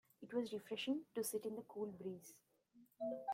It was refreshing to sit in the cool breeze.